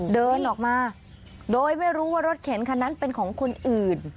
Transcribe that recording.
เดินออกมาโดยไม่รู้ว่ารถเข็นคันนั้นเป็นของคนอื่น